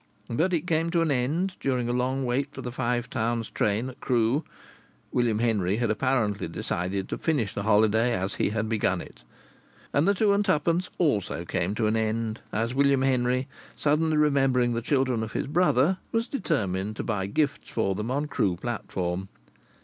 But it came to an end during a long wait for the Five Towns train at Crewe. William Henry had apparently decided to finish the holiday as he had begun it. And the two and twopence also came to an end, as William Henry, suddenly remembering the children of his brother, was determined to buy gifts for them on Crewe platform.